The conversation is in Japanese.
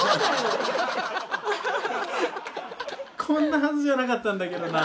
こんなはずじゃなかったんだけどな。